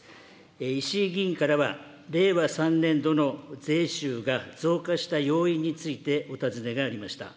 石井議員からは、令和３年度の税収が増加した要因について、お尋ねがありました。